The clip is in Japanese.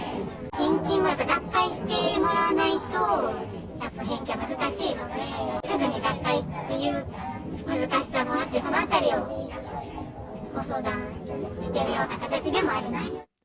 返金も、脱退してもらわないと、やっぱ返金は難しいので、すぐに脱会っていう難しさもあって、そのあたりをご相談している形でもあります。